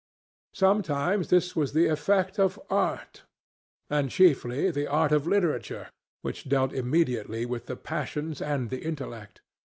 Sometimes this was the effect of art, and chiefly of the art of literature, which dealt immediately with the passions and the intellect.